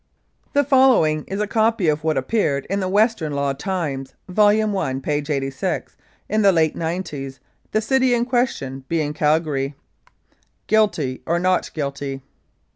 The following is a copy of what appeared in the Western Law Times, vol. i, p. 86, in the late nineties, the city in question being Calgary : "GUILTY OR NOT GUILTY?